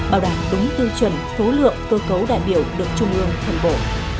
bảo đảm đúng tư chuẩn số lượng cơ cấu đại biểu được trung ương thần bộ